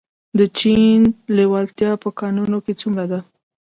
د چین لیوالتیا په کانونو کې څومره ده؟